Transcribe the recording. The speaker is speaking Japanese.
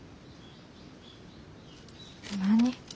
何？